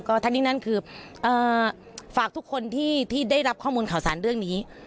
ทั้งนี้นั่นคือฝากทุกคนที่ได้รับข้อมูลข่าวสารเรื่องนี้